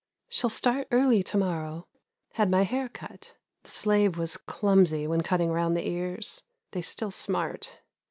Shall start early to morrow. Had my hair cut. The slave was clumsy when cutting round the ears. They still smart.